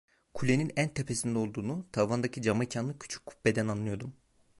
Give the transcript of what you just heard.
Kulenin en tepesinde olduğunu tavandaki camekanlı, küçük kubbeden anlıyordum.